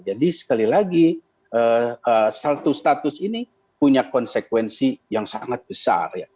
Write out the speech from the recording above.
jadi sekali lagi satu status ini punya konsekuensi yang sangat besar ya